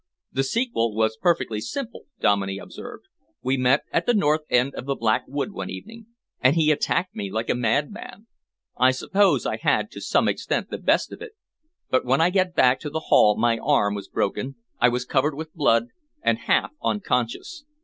"The sequel was perfectly simple," Dominey observed. "We met at the north end of the Black Wood one evening, and he attacked me like a madman. I suppose I had to some extent the best of it, but when I got back to the Hall my arm was broken, I was covered with blood, and half unconscious.